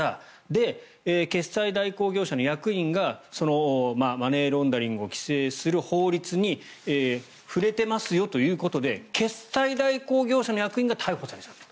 で、決済代行業者の役員がマネーロンダリングを規制する法律に触れていますよということで決済代行業者の役員が逮捕されちゃった。